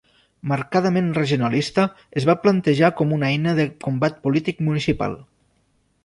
Marcadament regionalista es va plantejar com una eina de combat polític municipal.